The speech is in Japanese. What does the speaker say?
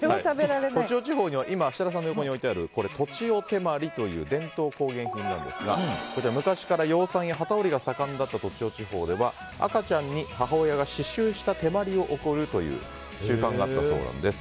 栃尾地方には設楽さんの横に置いてある栃尾手まりという伝統工芸品なんですが昔から養蚕や機織りが盛んだった栃尾地方では赤ちゃんに母親が刺しゅうしたてまりを送るという習慣があったそうなんです。